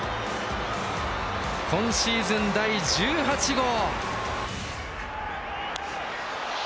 今シーズン第１８号。